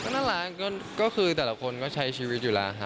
น่ารักก็คือแต่ละคนก็ใช้ชีวิตอยู่แล้วค่ะ